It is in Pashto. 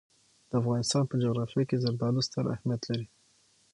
د افغانستان په جغرافیه کې زردالو ستر اهمیت لري.